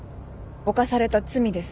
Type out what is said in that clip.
犯された罪です。